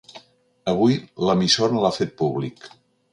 Avui, l’emissora l’ha fet públic.